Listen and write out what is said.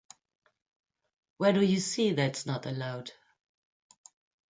Where do you see that's not allowed?